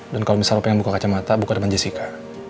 dan kalo misal lo pengen buka kacamata buka depan jessica